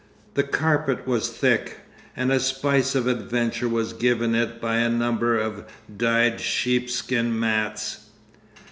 The carpet was thick, and a spice of adventure was given it by a number of dyed sheep skin mats.